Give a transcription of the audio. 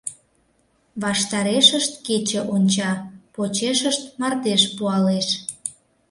Ваштарешышт кече онча, почешышт мардеж пуалеш.